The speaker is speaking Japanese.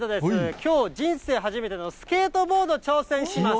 きょう、人生初めてのスケートボード、挑戦します。